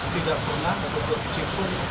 tidak pernah atau mencintai